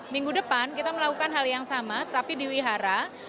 minggu depan kita melakukan hal yang sama tapi di wihara